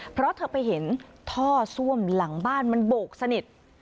เพราะเธอไปเห็นท่อซ่วมหลังบ้านมันโบกสนิท